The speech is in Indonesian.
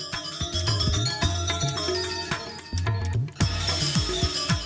kemudian diadukkan dengan garam dan garam